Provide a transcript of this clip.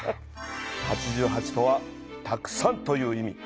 「八十八」とはたくさんという意味。